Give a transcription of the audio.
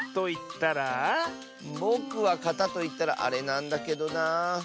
ぼくは「かた」といったらあれなんだけどなあ。